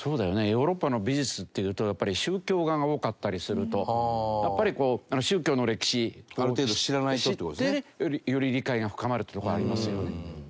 ヨーロッパの美術っていうと宗教画が多かったりするとやっぱりこう宗教の歴史を知ってより理解が深まるってところありますよね。